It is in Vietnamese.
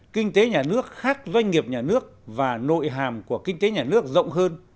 kinh tế nhà nước khác doanh nghiệp nhà nước và nội hàm của kinh tế nhà nước rộng hơn